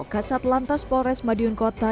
kasat lantas polres madiun kota